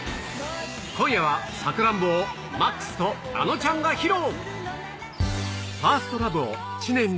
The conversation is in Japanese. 今夜はさくらんぼをＭＡＸとａｎｏちゃんが披露。